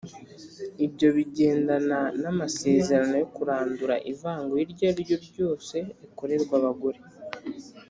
ibyo bigendana n’amasezerano yo kurandura ivangura iryo ariryo ryose rikorerwa abagore.